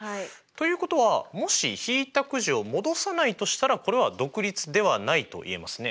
ということはもし引いたくじを戻さないとしたらこれは独立ではないと言えますね。